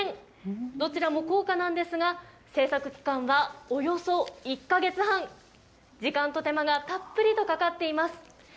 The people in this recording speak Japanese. どちらも高価なんですが、製作期間はおよそ１カ月半、時間と手間がたっぷりとかかっています。